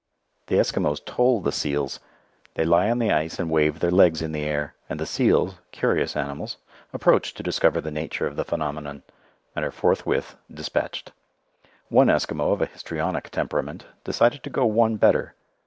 The Eskimos toll the seals. They lie on the ice and wave their legs in the air, and the seals, curious animals, approach to discover the nature of the phenomenon, and are forthwith dispatched. One Eskimo of a histrionic temperament decided to "go one better."